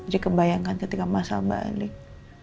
jadi kebayangkan ketika masa balik